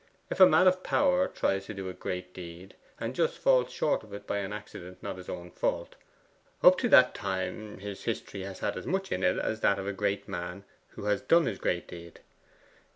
If a man of power tries to do a great deed, and just falls short of it by an accident not his fault, up to that time his history had as much in it as that of a great man who has done his great deed.